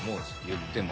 言っても。